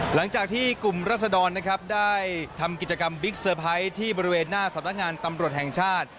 หลังจากที่กลุ่มรัศดรนะครับได้ทำกิจกรรมบิ๊กเซอร์ไพรส์ที่บริเวณหน้าสำนักงานตำรวจแห่งชาติ